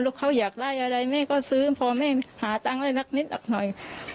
ลูกเขาอยากไล่อะไรแม่ก็ซื้อพอแม่หาตังค์แล้วนักนิดออกหน่อย